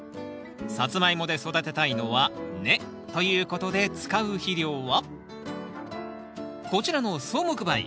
サツマイモで育てたいのは根。ということで使う肥料はこちらの草木灰。